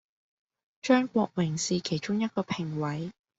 張國榮是其中一個評委